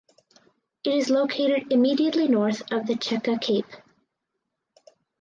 It is located immediately north of the Chekka cape.